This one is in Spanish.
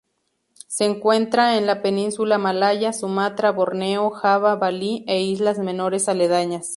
Se encuentra en la península malaya, Sumatra, Borneo, Java, Bali e islas menores aledañas.